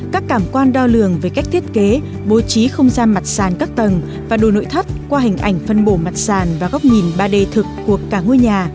các cảm quan đo lường về cách thiết kế bố trí không gian mặt sàn các tầng và đồ nội thất qua hình ảnh phân bổ mặt sàn và góc nhìn ba d thực của cả ngôi nhà